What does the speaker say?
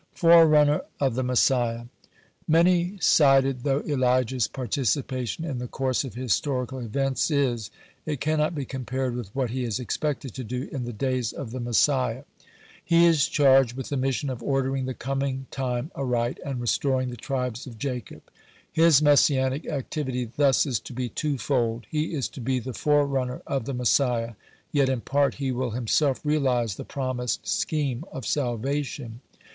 (104) FORERUNNER OF THE MESSIAH Many sided though Elijah's participation in the course of historical events is, it cannot be compared with what he is expected to do in the days of the Messiah. He is charged with the mission of ordering the coming time aright and restoring the tribes of Jacob. (105) His Messianic activity thus is to be twofold: he is to be the forerunner of the Messiah, yet in part he will himself realize the promised scheme of salvation.